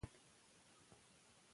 پروژه راتلونکی بدلوي.